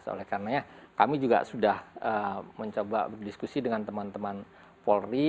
oleh karenanya kami juga sudah mencoba berdiskusi dengan teman teman polri